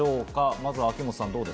まずは秋元さん。